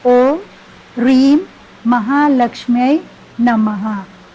โอมรีมมหาลักษมินมหา